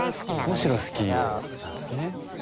むしろ好きなんですね。